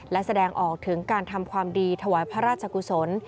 และแสดงออกถึงการทำความดีถวายพระราชกุศล